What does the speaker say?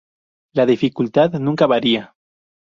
La dificultad nunca varía.